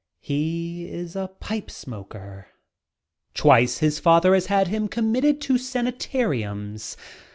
He is a pipe smoker. Twice his father has had him comm 16 DOPE! itted to sanitariums.